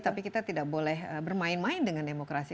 tapi kita tidak boleh bermain main dengan demokrasi